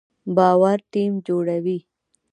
باور ټیم جوړوي